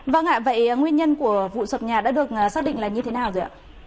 vâng ạ vậy nguyên nhân của vụ sập nhà đã được xác định là như thế nào rồi ạ